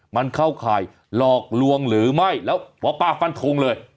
มันเข้าข่ายหลอกลวงหรือไม่แล้วหมอป้าฟันทงเลย